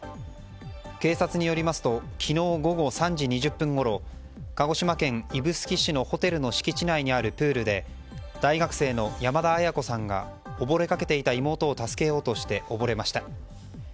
警察によりますと昨日午後３時２０分ごろ鹿児島県指宿市のホテルの敷地内にあるプールで大学生の山田絢子さんが溺れかけていた妹を助けようとして溺れました。